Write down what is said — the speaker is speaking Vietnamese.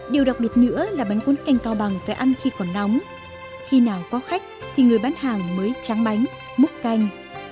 điều đặc biệt nữa là bánh cuốn canh cao bằng phải ăn khi còn nóng khi nào có khách thì người bán hàng mới tráng bánh múc canh